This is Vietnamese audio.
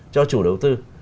cho chủ đầu tư